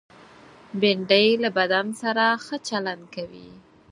بېنډۍ له بدن سره ښه چلند کوي